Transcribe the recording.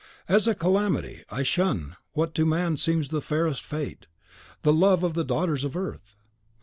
As a calamity, I shun what to man seems the fairest fate, the love of the daughters of earth.